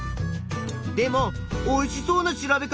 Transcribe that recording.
でもおいしそうな調べ方。